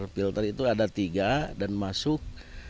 filter itu ada tiga dan masuk